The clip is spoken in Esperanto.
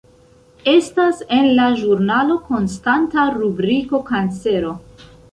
Estas en la ĵurnalo konstanta rubriko Kancero.